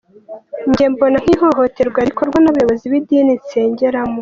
Njye mbona nk’ihohoterwa rikorwa n’abayobozi b’idini nsengeramo.